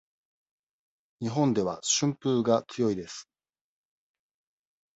日本では春風が強いです。